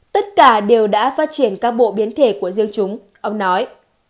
tất cả đều đã phát triển các bộ biến thể của riêng chúng ông nói